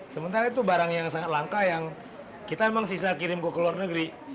sementara itu barang yang sangat langka yang kita memang sisa kirim ke luar negeri